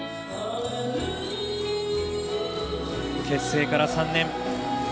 結成から３年。